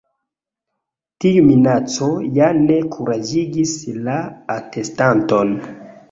Tiu minaco ja ne kuraĝigis la atestanton.